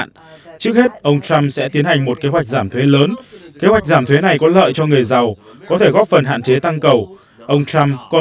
như nông sản dệt may giày dép đồ gỗ